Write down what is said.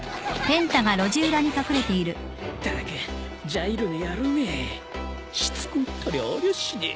ったくジャイロの野郎めしつこいったらありゃしねえ。